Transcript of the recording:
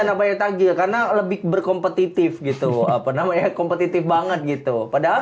nabaya tagih karena lebih berkompetitif gitu apa namanya kompetitif banget gitu padahal